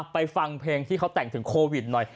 ฟังเพลงที่เขาแต่งถึงโควิดหน่อย